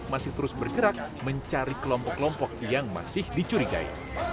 masih terus bergerak mencari kelompok kelompok yang masih dicurigai